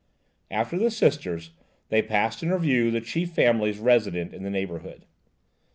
After the Sisters, they passed in review the chief families resident in the neighbourhood.